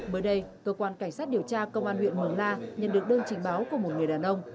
mới đây cơ quan cảnh sát điều tra công an huyện mường la nhận được đơn trình báo của một người đàn ông